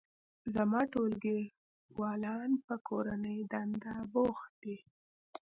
زما ټولګیوالان په کورنۍ دنده بوخت دي